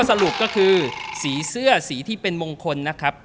สรุปก็คือสีเสื้อสีที่เป็นมงคลนะครับ